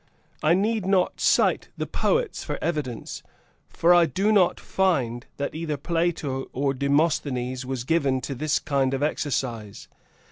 I need not cite the poets for evidence, for I do not find that either Plato or Demosthenes was given to this kind of exercise.